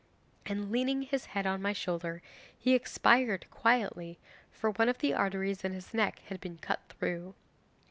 and leaning his head on my shoulder he expired quietly, for one of the arteries in his neck had been cut through.